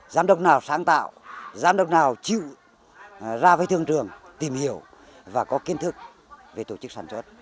giám đốc nào sáng tạo giám đốc nào chịu ra với thương trường tìm hiểu và có kiến thức về tổ chức sản xuất